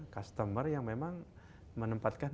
customer yang memang menempatkan